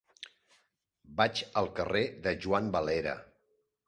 Vaig al carrer de Juan Valera.